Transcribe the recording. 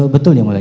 betul yang mulia